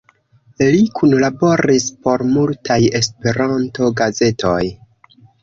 Li kunlaboris por multaj Esperanto-gazetoj.